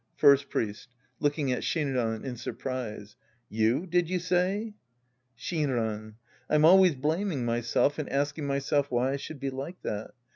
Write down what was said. First Priest (looking at Shinran in surprise). You, did you say ? Shinran. I'm always blaming myself and asking myself why I should be like that.